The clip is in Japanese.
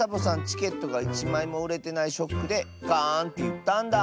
チケットがいちまいもうれてないショックでガーンっていったんだ。